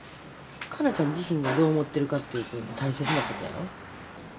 香菜ちゃん自身がどう思ってるかということも大切なことやろ？